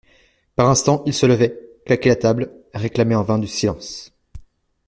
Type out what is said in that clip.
Par instants, il se levait, claquait la table, réclamait en vain du silence.